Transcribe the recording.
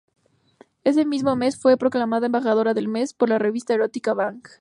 Ese mismo mes fue proclamada "Embajadora del mes" por la revista erótica "Bang!".